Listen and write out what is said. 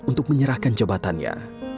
untuk menyerahkan jabatannya